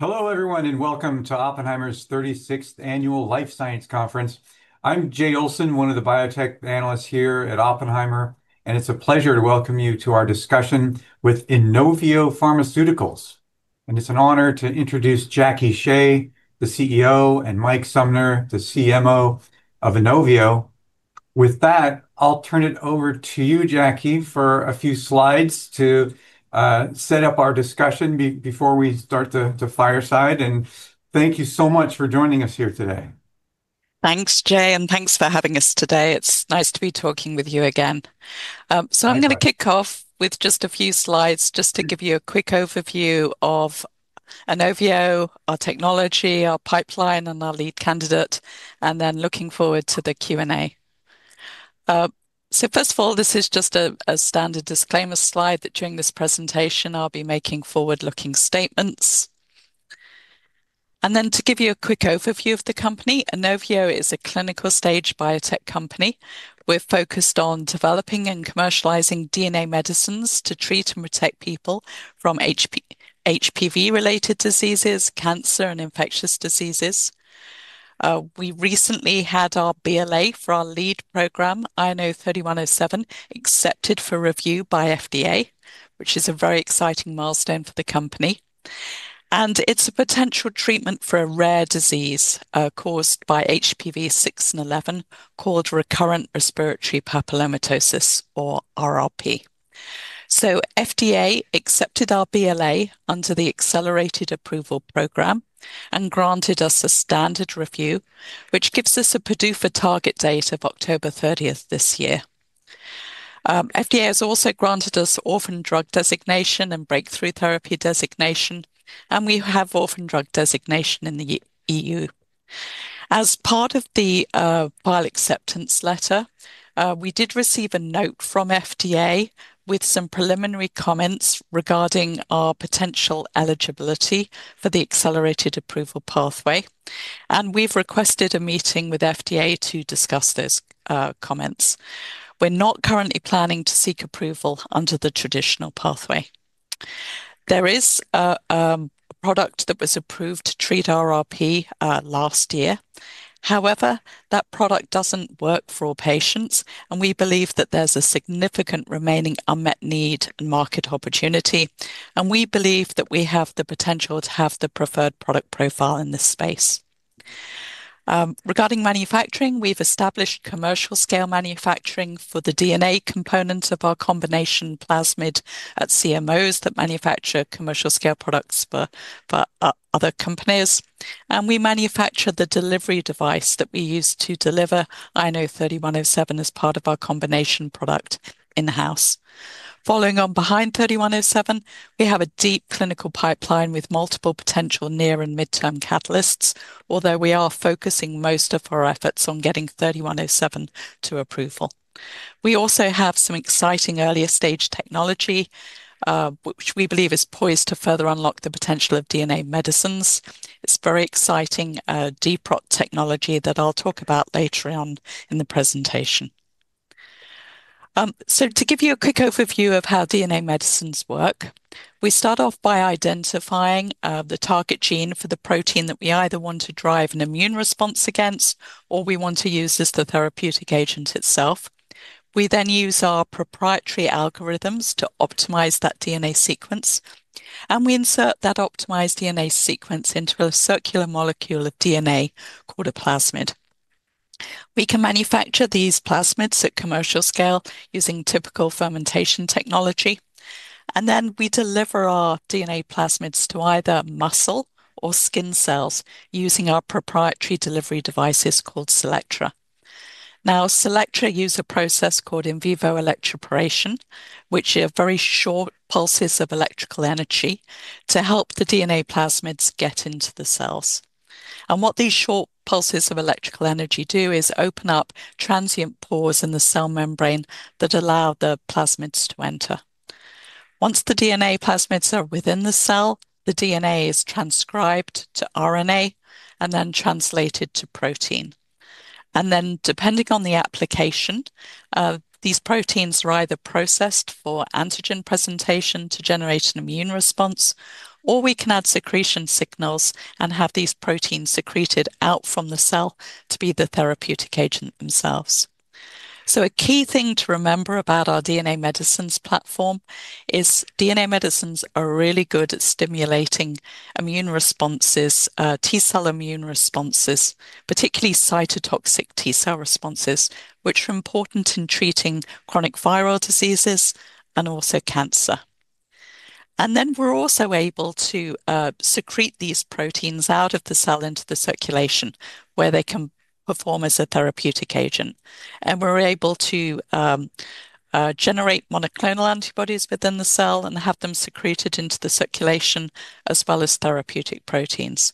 Hello, everyone, welcome to Oppenheimer's 36th Annual Life Science Conference. I'm Jay Olson, one of the biotech analysts here at Oppenheimer, and it's a pleasure to welcome you to our discussion with Inovio Pharmaceuticals. It's an honor to introduce Jackie Shea, the CEO, and Mike Sumner, the CMO of Inovio. With that, I'll turn it over to you, Jackie, for a few slides to set up our discussion before we start the fireside, and thank you so much for joining us here today. Thanks, Jay, and thanks for having us today. It's nice to be talking with you again. Likewise. I'm going to kick off with just a few slides, just to give you a quick overview of Inovio, our technology, our pipeline, and our lead candidate, and then looking forward to the Q&A. First of all, this is just a standard disclaimer slide, that during this presentation I'll be making forward-looking statements. To give you a quick overview of the company, Inovio is a clinical stage biotech company. We're focused on developing and commercializing DNA medicines to treat and protect people from HPV-related diseases, cancer, and infectious diseases. We recently had our BLA for our lead program, INO-3107, accepted for review by FDA, which is a very exciting milestone for the company, and it's a potential treatment for a rare disease, caused by HPV 6 and 11, called recurrent respiratory Pabzimios, or RRP. FDA accepted our BLA under the Accelerated Approval Program, and granted us a standard review, which gives us a PDUFA target date of October 30th this year. FDA has also granted us Orphan Drug designation and Breakthrough Therapy designation, and we have Orphan Drug designation in the EU. As part of the bioacceptance letter, we did receive a note from FDA with some preliminary comments regarding our potential eligibility for the Accelerated Approval pathway, and we've requested a meeting with FDA to discuss those comments. We're not currently planning to seek approval under the traditional pathway. There is a product that was approved to treat RRP last year. That product doesn't work for all patients, and we believe that there's a significant remaining unmet need and market opportunity, and we believe that we have the potential to have the preferred product profile in this space. Regarding manufacturing, we've established commercial scale manufacturing for the DNA component of our combination plasmid at CMOs that manufacture commercial scale products for other companies, and we manufacture the delivery device that we use to deliver INO-3107 as part of our combination product in-house. Following on behind 3107, we have a deep clinical pipeline with multiple potential near and midterm catalysts, although we are focusing most of our efforts on getting 3107 to approval. We also have some exciting earlier stage technology, which we believe is poised to further unlock the potential of DNA medicines. It's very exciting dMAb technology that I'll talk about later on in the presentation. To give you a quick overview of how DNA medicines work, we start off by identifying the target gene for the protein that we either want to drive an immune response against, or we want to use as the therapeutic agent itself. We use our proprietary algorithms to optimize that DNA sequence, we insert that optimized DNA sequence into a circular molecule of DNA called a plasmid. We can manufacture these plasmids at commercial scale using typical fermentation technology, we deliver our DNA plasmids to either muscle or skin cells, using our proprietary delivery devices called CELLECTRA. CELLECTRA use a process called in vivo electroporation, which are very short pulses of electrical energy to help the DNA plasmids get into the cells. What these short pulses of electrical energy do is open up transient pores in the cell membrane that allow the plasmids to enter. Once the DNA plasmids are within the cell, the DNA is transcribed to RNA and then translated to protein. Then, depending on the application, these proteins are either processed for antigen presentation to generate an immune response, or we can add secretion signals and have these proteins secreted out from the cell to be the therapeutic agent themselves. A key thing to remember about our DNA medicines platform is DNA medicines are really good at stimulating immune responses, T cell immune responses, particularly cytotoxic T cell responses, which are important in treating chronic viral diseases and also cancer. We're also able to secrete these proteins out of the cell into the circulation, where they can perform as a therapeutic agent. We're able to generate monoclonal antibodies within the cell, and have them secreted into the circulation, as well as therapeutic proteins.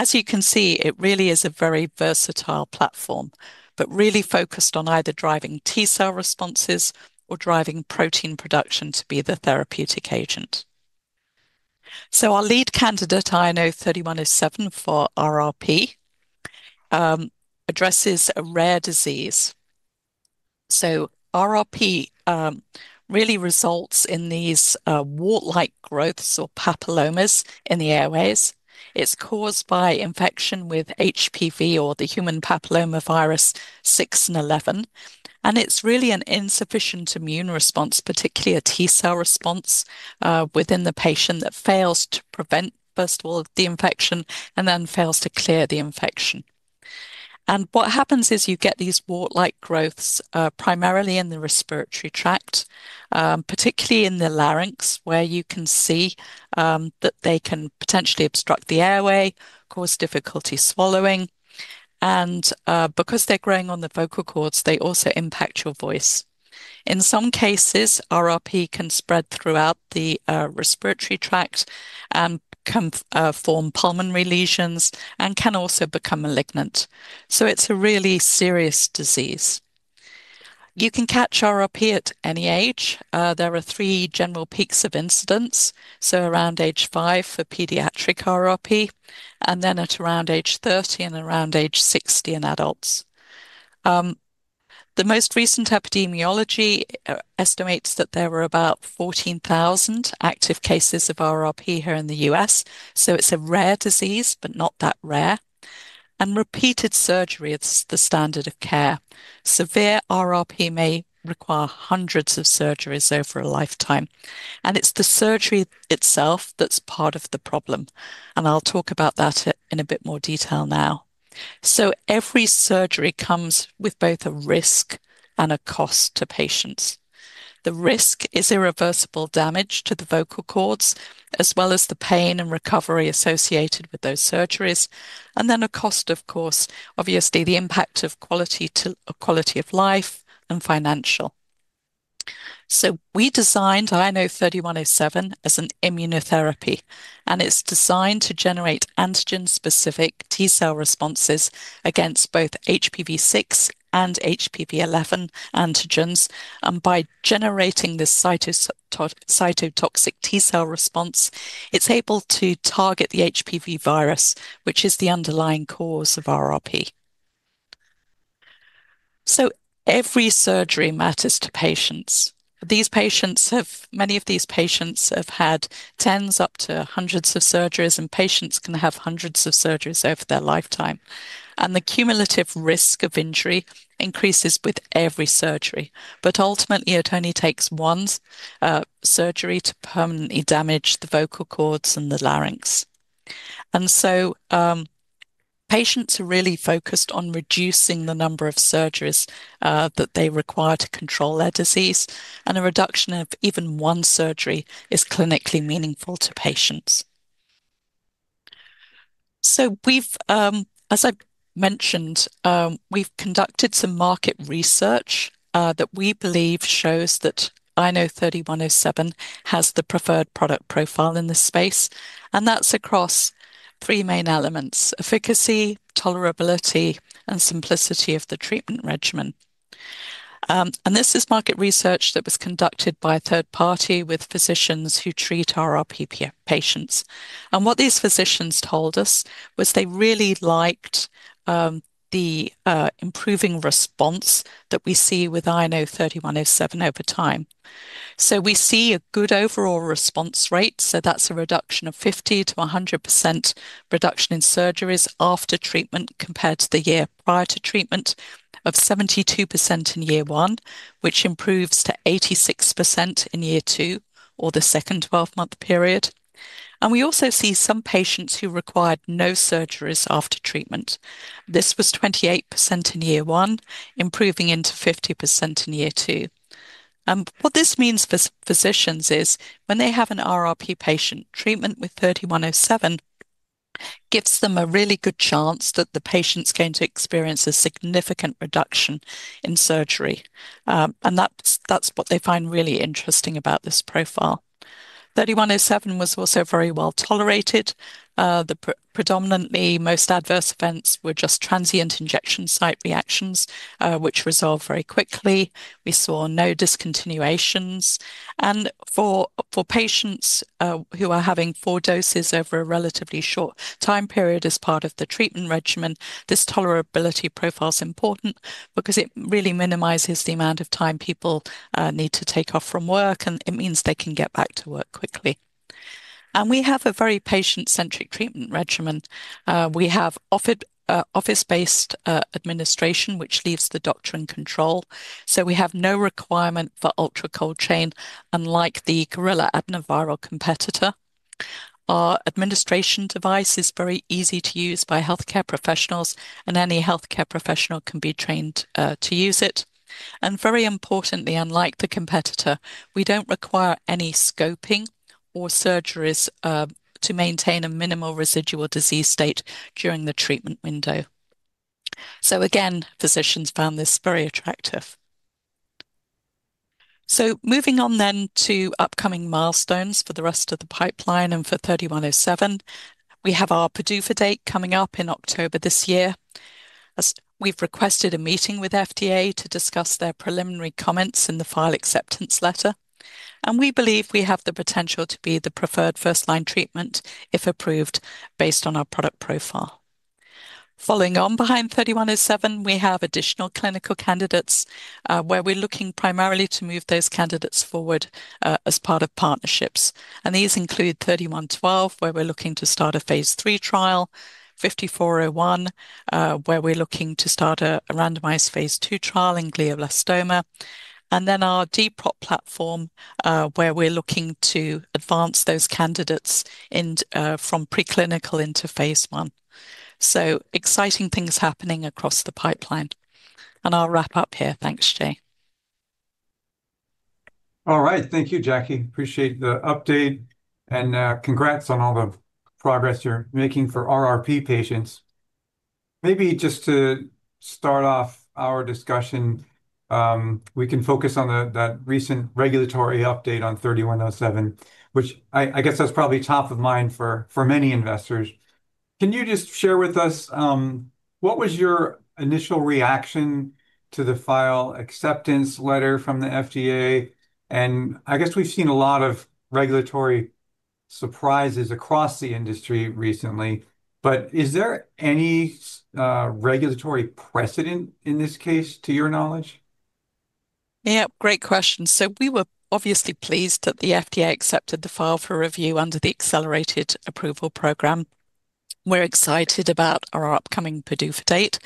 As you can see, it really is a very versatile platform, but really focused on either driving T cell responses or driving protein production to be the therapeutic agent. Our lead candidate, INO-3107 for RRP, really results in these wart-like growths or papillomas in the airways. It's caused by infection with HPV, or the human papillomavirus six and 11. It's really an insufficient immune response, particularly a T-cell response within the patient, that fails to prevent, first of all, the infection, then fails to clear the infection. What happens is, you get these wart-like growths primarily in the respiratory tract, particularly in the larynx, where you can see that they can potentially obstruct the airway, cause difficulty swallowing, because they're growing on the vocal cords, they also impact your voice. In some cases, RRP can spread throughout the respiratory tract, can form pulmonary lesions, can also become malignant. It's a really serious disease. You can catch RRP at any age. There are three general peaks of incidence, so around age five for pediatric RRP, and then at around age 30 and around age 60 in adults. The most recent epidemiology estimates that there were about 14,000 active cases of RRP here in the U.S., so it's a rare disease, but not that rare, and repeated surgery is the standard of care. Severe RRP may require hundreds of surgeries over a lifetime, and it's the surgery itself that's part of the problem, and I'll talk about that in a bit more detail now. Every surgery comes with both a risk and a cost to patients. The risk is irreversible damage to the vocal cords, as well as the pain and recovery associated with those surgeries, and then a cost, of course, obviously, the impact of quality of life, and financial. We designed INO-3107 as an immunotherapy, and it's designed to generate antigen-specific T-cell responses against both HPV6 and HPV11 antigens. By generating this cytotoxic T-cell response, it's able to target the HPV virus, which is the underlying cause of RRP. Every surgery matters to patients. These patients have, many of these patients have had 10s up to 100s of surgeries, and patients can have 100s of surgeries over their lifetime, and the cumulative risk of injury increases with every surgery. Ultimately, it only takes one surgery to permanently damage the vocal cords and the larynx. Patients are really focused on reducing the number of surgeries that they require to control their disease, and a reduction of even one surgery is clinically meaningful to patients. We've, as I mentioned, we've conducted some market research that we believe shows that INO-3107 has the preferred product profile in this space, and that's across three main elements: efficacy, tolerability, and simplicity of the treatment regimen. This is market research that was conducted by a 3rd party with physicians who treat RRP patients, and what these physicians told us was they really liked the improving response that we see with INO-3107 over time. We see a good overall response rate, so that's a reduction of 50%-100% reduction in surgeries after treatment, compared to the year prior to treatment, of 72% in year one, which improves to 86% in year two, or the 2nd 12-month period. We also see some patients who required no surgeries after treatment. This was 28% in year one, improving into 50% in year two. What this means for physicians is, when they have an RRP patient, treatment with INO-3107 gives them a really good chance that the patient's going to experience a significant reduction in surgery. That's, that's what they find really interesting about this profile. INO-3107 was also very well-tolerated. The predominantly most adverse events were just transient injection site reactions, which resolved very quickly. We saw no discontinuations, and for patients who are having four doses over a relatively short time period as part of the treatment regimen, this tolerability profile is important, because it really minimizes the amount of time people need to take off from work, and it means they can get back to work quickly. We have a very patient-centric treatment regimen. We have office-based administration, which leaves the doctor in control, so we have no requirement for ultra cold chain, unlike the Gorilla adenoviral competitor. Our administration device is very easy to use by healthcare professionals, and any healthcare professional can be trained to use it. Very importantly, unlike the competitor, we don't require any scoping or surgeries to maintain a minimal residual disease state during the treatment window. Again, physicians found this very attractive. Moving on, then, to upcoming milestones for the rest of the pipeline and for INO-3107, we have our PDUFA date coming up in October this year. As. We've requested a meeting with FDA to discuss their preliminary comments in the file acceptance letter. We believe we have the potential to be the preferred first-line treatment if approved, based on our product profile. Following on behind 3107, we have additional clinical candidates, where we're looking primarily to move those candidates forward, as part of partnerships. These include INO-3112, where we're looking to start a phase III trial, INO-5401, where we're looking to start a randomized phase II trial in glioblastoma, and then our dPreP platform, where we're looking to advance those candidates in, from preclinical into phase I. Exciting things happening across the pipeline. I'll wrap up here. Thanks, Jay. All right. Thank you, Jackie. Appreciate the update, congrats on all the progress you're making for RRP patients. Maybe just to start off our discussion, we can focus on that recent regulatory update on 3107, which I guess that's probably top of mind for many investors. Can you just share with us what was your initial reaction to the file acceptance letter from the FDA? I guess we've seen a lot of regulatory surprises across the industry recently, but is there any regulatory precedent in this case, to your knowledge? Yeah, great question. We were obviously pleased that the FDA accepted the file for review under the Accelerated Approval Program. We're excited about our upcoming PDUFA date,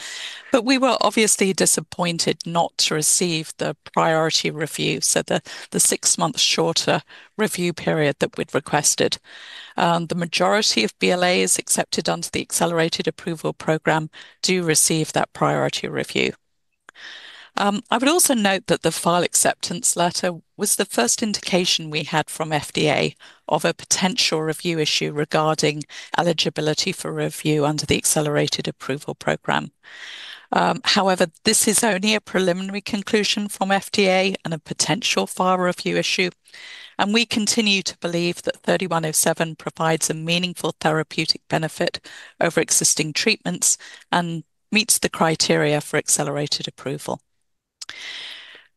but we were obviously disappointed not to receive the priority review, so the six-month shorter review period that we'd requested. The majority of BLAs accepted under the Accelerated Approval Program do receive that priority review. However, this is only a preliminary conclusion from FDA and a potential file review issue, and we continue to believe that 3107 provides a meaningful therapeutic benefit over existing treatments and meets the criteria for accelerated approval.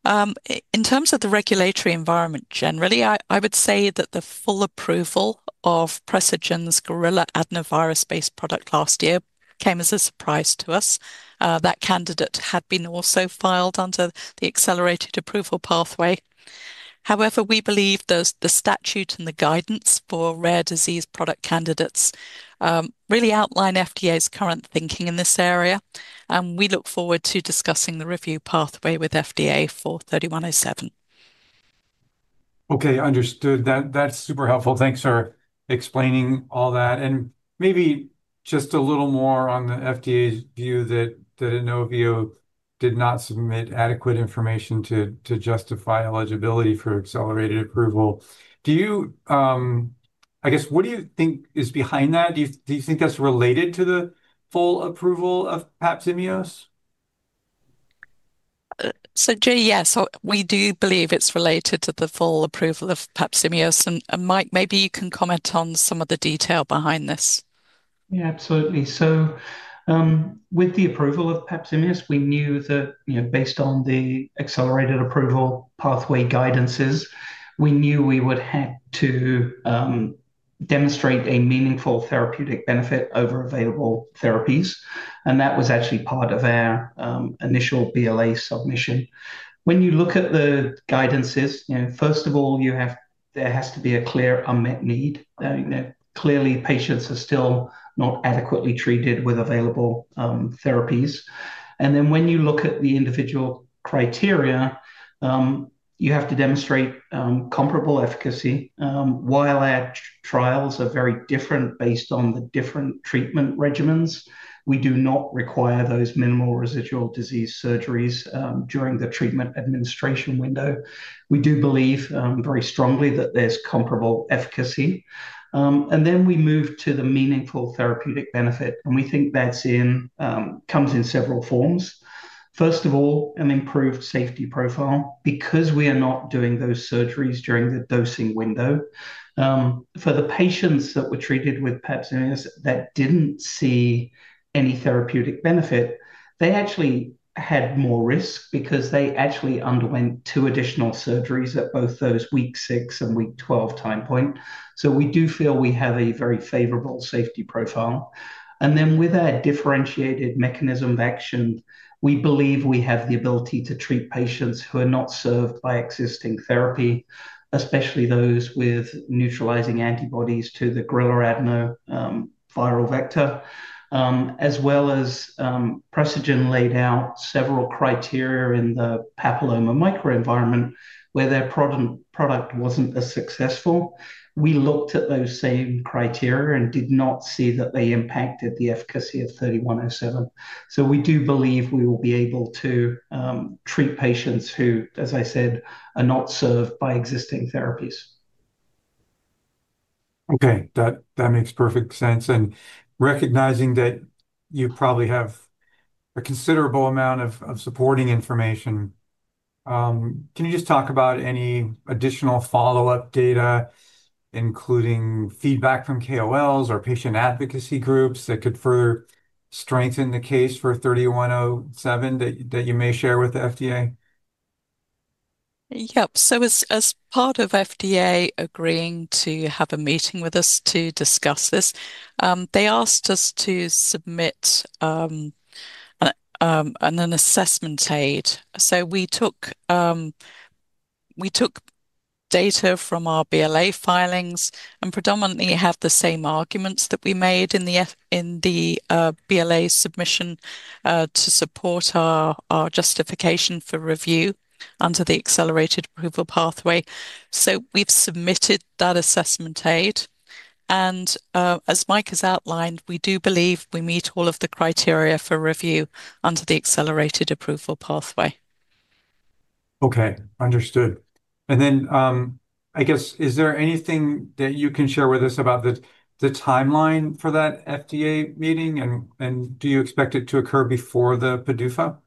In terms of the regulatory environment generally, I would say that the full approval of Precigen's gorilla adenovirus-based product last year came as a surprise to us. That candidate had been also filed under the Accelerated Approval pathway. We believe the statute and the guidance for rare disease product candidates really outline FDA's current thinking in this area, and we look forward to discussing the review pathway with FDA for 3107. Okay, understood. That's super helpful. Thanks for explaining all that, and maybe just a little more on the FDA's view that Inovio did not submit adequate information to justify eligibility for Accelerated Approval. Do you, I guess, what do you think is behind that? Do you think that's related to the full approval of papillomatosis? Jay, yes, so we do believe it's related to the full approval of papimios, and Mike, maybe you can comment on some of the detail behind this. Yeah, absolutely. With the approval of papimios, we knew that, you know, based on the Accelerated Approval Program guidances, we knew we would have to demonstrate a meaningful therapeutic benefit over available therapies, and that was actually part of our initial BLA submission. When you look at the guidances, you know, first of all, there has to be a clear unmet need. You know, clearly, patients are still not adequately treated with available therapies. When you look at the individual criteria, you have to demonstrate comparable efficacy. While our trials are very different based on the different treatment regimens, we do not require those minimal residual disease surgeries during the treatment administration window. We do believe very strongly that there's comparable efficacy. We move to the meaningful therapeutic benefit, we think that comes in several forms. First of all, an improved safety profile. Because we are not doing those surgeries during the dosing window, for the patients that were treated with INO-3107 that didn't see any therapeutic benefit, they actually had more risk because they actually underwent two additional surgeries at both those week six and week 12 time point. We do feel we have a very favorable safety profile. With our differentiated mechanism of action, we believe we have the ability to treat patients who are not served by existing therapy, especially those with neutralizing antibodies to the gorilla adenoviral vector. As well as, Precigen laid out several criteria in the papilloma microenvironment where their product wasn't as successful. We looked at those same criteria and did not see that they impacted the efficacy of 3107. We do believe we will be able to treat patients who, as I said, are not served by existing therapies. Okay, that makes perfect sense. Recognizing that you probably have a considerable amount of supporting information, can you just talk about any additional follow-up data, including feedback from KOLs or patient advocacy groups, that could further strengthen the case for 3107 that you may share with the FDA? As part of FDA agreeing to have a meeting with us to discuss this, they asked us to submit an Assessment Aid. We took data from our BLA filings, and predominantly have the same arguments that we made in the BLA submission, to support our justification for review under the Accelerated Approval pathway. We've submitted that Assessment Aid, and as Mike has outlined, we do believe we meet all of the criteria for review under the Accelerated Approval pathway. Okay, understood. I guess, is there anything that you can share with us about the timeline for that FDA meeting? Do you expect it to occur before the PDUFA?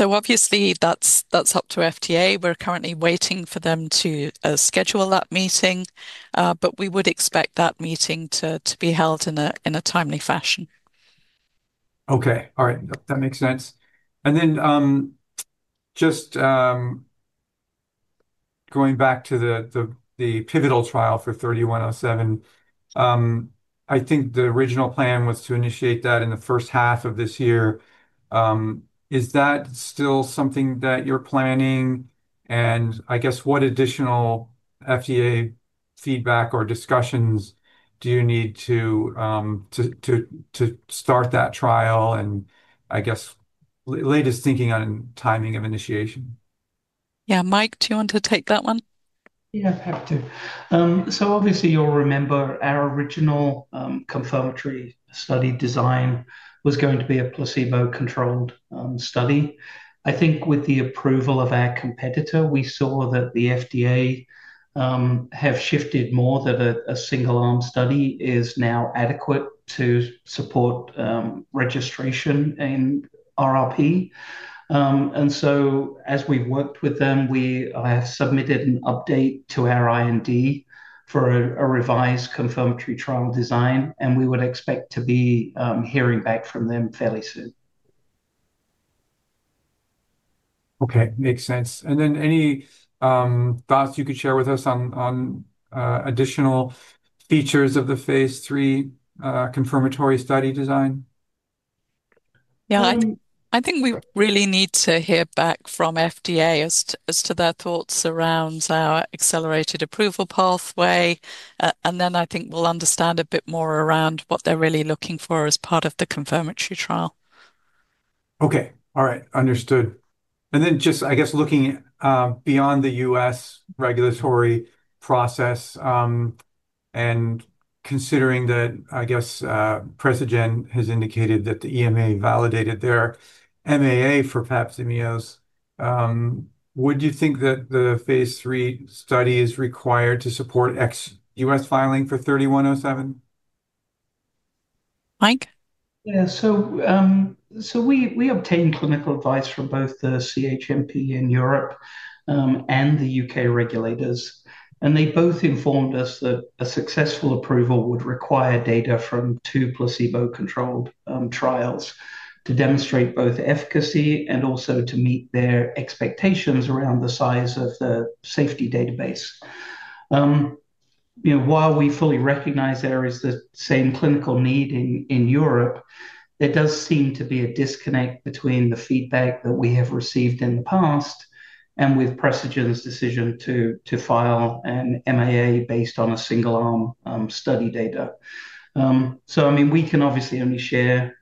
Obviously, that's up to FDA. We're currently waiting for them to schedule that meeting, but we would expect that meeting to be held in a timely fashion. Okay. All right. That makes sense. Just going back to the pivotal trial for INO-3107, I think the original plan was to initiate that in the first half of this year. Is that still something that you're planning? I guess, latest thinking on timing of initiation. Yeah, Mike, do you want to take that one? Happy to. Obviously, you'll remember our original confirmatory study design was going to be a placebo-controlled study. I think with the approval of our competitor, we saw that the FDA have shifted more, that a single-arm study is now adequate to support registration in RRP. As we've worked with them, we submitted an update to our IND for a revised confirmatory trial design, and we would expect to be hearing back from them fairly soon. Okay. Makes sense. Any thoughts you could share with us on additional features of the phase III, confirmatory study design? I think we really need to hear back from FDA as to their thoughts around our Accelerated Approval pathway. I think we'll understand a bit more around what they're really looking for as part of the confirmatory trial. Okay. All right. Understood. Just, I guess, looking beyond the U.S. regulatory process, and considering that, I guess, Precigen has indicated that the EMA validated their MAA for pabzimios, would you think that the phase III study is required to support ex-U.S. filing for INO-3107? Mike? Yeah, so we obtained clinical advice from both the CHMP in Europe, and the UK regulators, and they both informed us that a successful approval would require data from two placebo-controlled trials to demonstrate both efficacy and also to meet their expectations around the size of the safety database. You know, while we fully recognize there is the same clinical need in Europe, there does seem to be a disconnect between the feedback that we have received in the past and with Precigen's decision to file an MAA based on a single-arm study data. I mean, we can obviously only share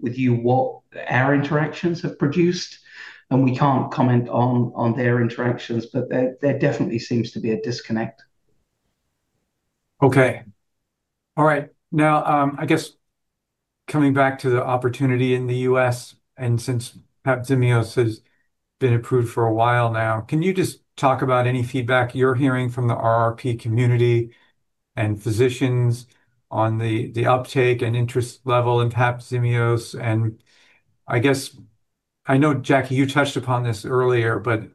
with you what our interactions have produced, and we can't comment on their interactions, but there definitely seems to be a disconnect. Okay. All right. Now, I guess coming back to the opportunity in the US, and since pabzimios has been approved for a while now, can you just talk about any feedback you're hearing from the RRP community and physicians on the uptake and interest level in pabzimios? I guess, I know, Jackie, you touched upon this earlier, but,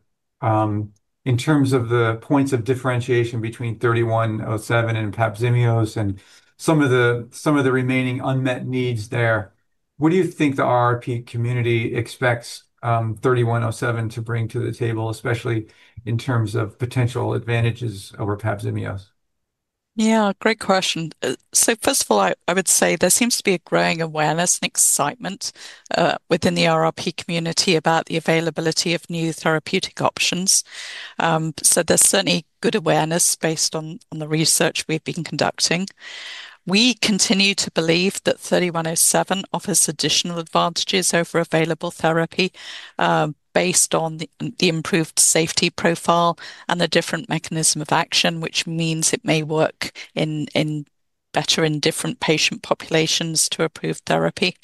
in terms of the points of differentiation between INO-3107 and pabzimios, and some of the, some of the remaining unmet needs there, what do you think the RRP community expects, INO-3107 to bring to the table, especially in terms of potential advantages over pabzimios? Yeah, great question. First of all, I would say there seems to be a growing awareness and excitement within the RRP community about the availability of new therapeutic options. There's certainly good awareness based on the research we've been conducting. We continue to believe that INO-3107 offers additional advantages over available therapy, based on the improved safety profile and the different mechanism of action, which means it may work in better in different patient populations to approve therapy.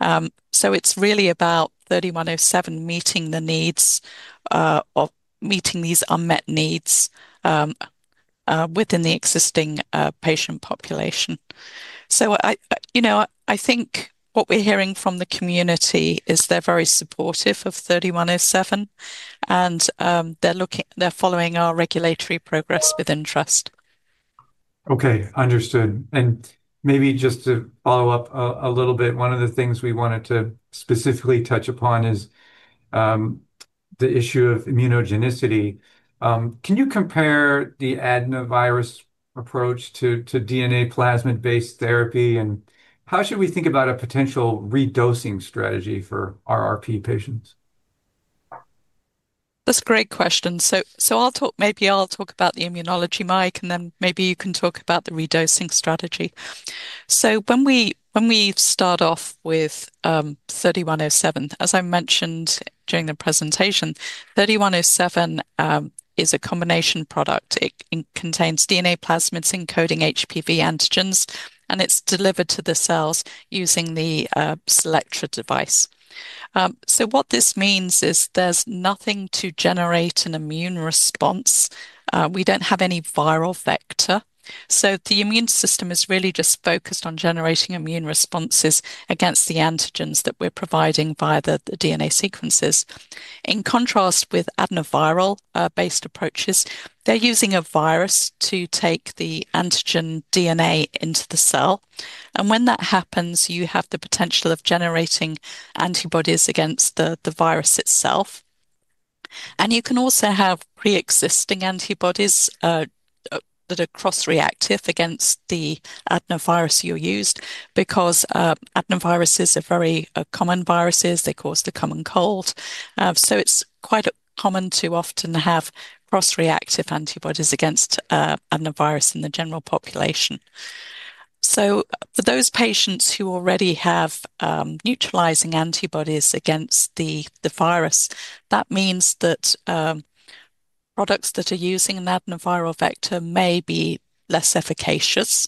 It's really about INO-3107 meeting the needs or meeting these unmet needs within the existing patient population. I, you know, I think what we're hearing from the community is they're very supportive of INO-3107, and they're following our regulatory progress with interest. Okay, understood. Maybe just to follow up a little bit, one of the things we wanted to specifically touch upon is the issue of immunogenicity. Can you compare the adenovirus approach to DNA plasmid-based therapy, and how should we think about a potential redosing strategy for RRP patients? That's a great question. I'll talk about the immunology, Mike, and then maybe you can talk about the redosing strategy. When we start off with INO-3107, as I mentioned during the presentation, INO-3107 is a combination product. It contains DNA plasmids encoding HPV antigens, and it's delivered to the cells using the CELLECTRA device. What this means is there's nothing to generate an immune response. We don't have any viral vector, so the immune system is really just focused on generating immune responses against the antigens that we're providing via the DNA sequences. In contrast with adenoviral-based approaches, they're using a virus to take the antigen DNA into the cell, and when that happens, you have the potential of generating antibodies against the virus itself. You can also have pre-existing antibodies that are cross-reactive against the adenovirus you used. Adenoviruses are very common viruses, they cause the common cold, so it's quite common to often have cross-reactive antibodies against adenovirus in the general population. For those patients who already have neutralizing antibodies against the virus, that means that products that are using an adenoviral vector may be less efficacious.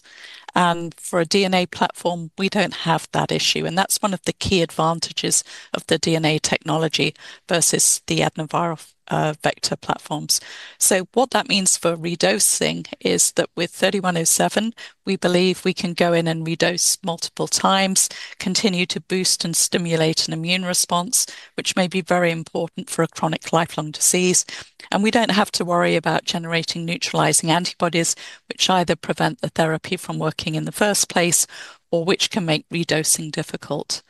For a DNA platform, we don't have that issue, and that's one of the key advantages of the DNA technology versus the adenoviral vector platforms. What that means for redosing is that with INO-3107, we believe we can go in and redose multiple times, continue to boost and stimulate an immune response, which may be very important for a chronic lifelong disease. We don't have to worry about generating neutralizing antibodies, which either prevent the therapy from working in the first place or which can make redosing difficult.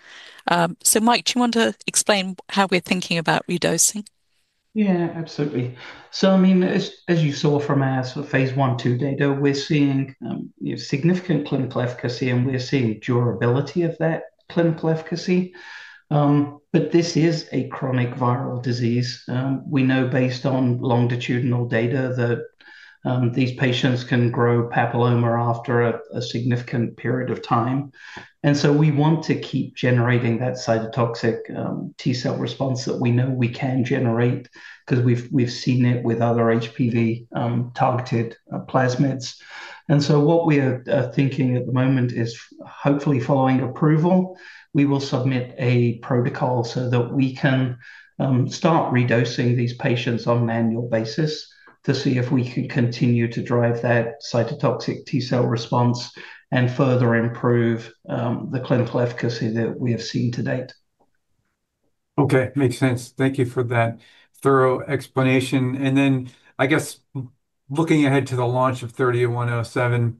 Mike, do you want to explain how we're thinking about redosing? Yeah, absolutely. I mean, as you saw from our sort of Phase I, II data, we're seeing, you know, significant clinical efficacy, and we're seeing durability of that clinical efficacy. This is a chronic viral disease. We know based on longitudinal data that these patients can grow papilloma after a significant period of time, we want to keep generating that cytotoxic T-cell response that we know we can generate, 'cause we've seen it with other HPV targeted plasmids. What we're thinking at the moment is, hopefully following approval, we will submit a protocol so that we can start redosing these patients on annual basis to see if we can continue to drive that cytotoxic T-cell response and further improve the clinical efficacy that we have seen to date. Okay, makes sense. Thank you for that thorough explanation. I guess looking ahead to the launch of 30 and 107,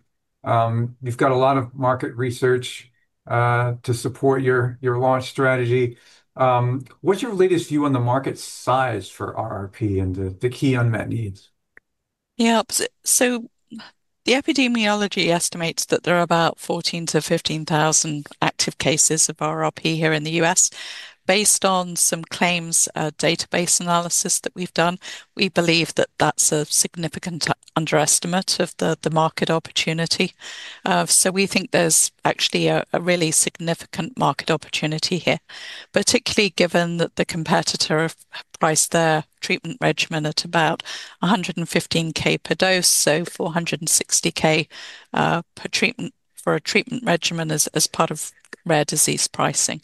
you've got a lot of market research to support your launch strategy. What's your latest view on the market size for RRP and the key unmet needs? Yeah, so the epidemiology estimates that there are about 14,000-15,000 active cases of RRP here in the U.S. Based on some claims database analysis that we've done, we believe that that's a significant underestimate of the market opportunity. We think there's actually a really significant market opportunity here, particularly given that the competitor have priced their treatment regimen at about $115K per dose, so $460K per treatment for a treatment regimen as part of rare disease pricing.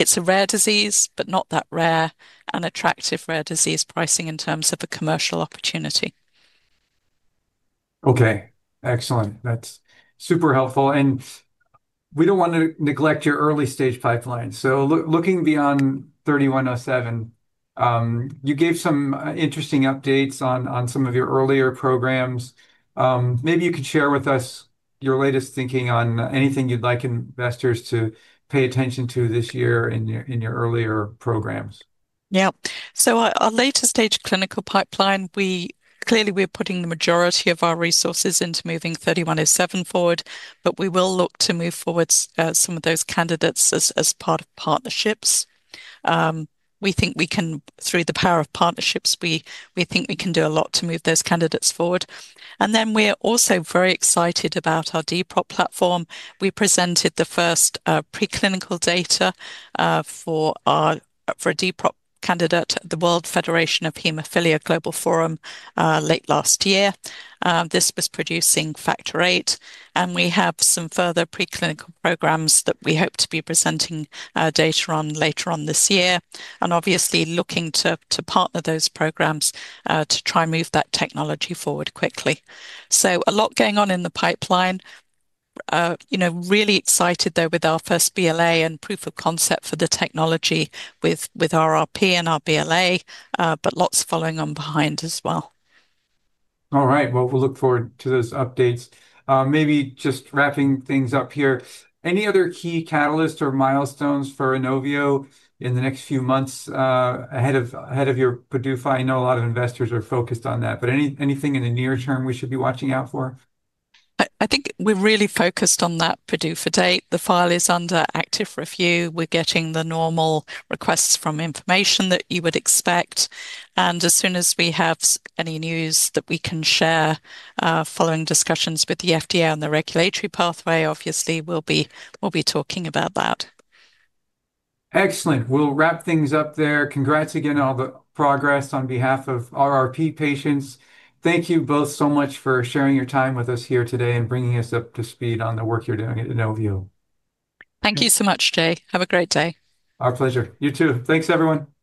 It's a rare disease, but not that rare, and attractive rare disease pricing in terms of a commercial opportunity. Okay, excellent. That's super helpful, and we don't want to neglect your early-stage pipeline. Looking beyond 3107, you gave some interesting updates on some of your earlier programs. Maybe you could share with us your latest thinking on anything you'd like investors to pay attention to this year in your earlier programs. Our later-stage clinical pipeline, we clearly we're putting the majority of our resources into moving INO-3107 forward, but we will look to move forward some of those candidates as part of partnerships. We think we can, through the power of partnerships, we think we can do a lot to move those candidates forward. We're also very excited about our dMAb platform. We presented the first preclinical data for a dMAb candidate at the World Federation of Hemophilia Global Forum late last year. This was producing factor VIII, and we have some further preclinical programs that we hope to be presenting data on later on this year, and obviously looking to partner those programs to try and move that technology forward quickly. A lot going on in the pipeline. you know, really excited, though, with our first BLA and proof of concept for the technology with RRP and our BLA, but lots following on behind as well. All right. Well, we'll look forward to those updates. Maybe just wrapping things up here, any other key catalysts or milestones for Inovio in the next few months, ahead of your PDUFA? I know a lot of investors are focused on that, but anything in the near term we should be watching out for? I think we're really focused on that PDUFA date. The file is under active review. We're getting the normal requests from information that you would expect. As soon as we have any news that we can share, following discussions with the FDA and the regulatory pathway, obviously we'll be talking about that. Excellent. We'll wrap things up there. Congrats again on all the progress on behalf of RRP patients. Thank you both so much for sharing your time with us here today and bringing us up to speed on the work you're doing at Inovio. Thank you so much, Jay. Have a great day. Our pleasure. You too. Thanks, everyone.